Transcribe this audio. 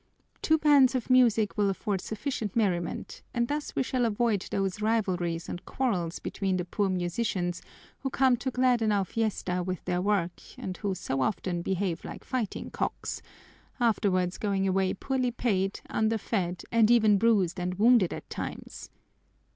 Two bands of music will afford sufficient merriment and thus we shall avoid those rivalries and quarrels between the poor musicians who come to gladden our fiesta with their work and who so often behave like fighting cocks, afterwards going away poorly paid, underfed, and even bruised and wounded at times.